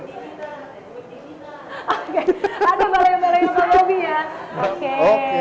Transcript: oke ada paleo paleo pak mobi ya